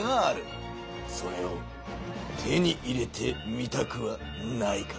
それを手に入れてみたくはないか？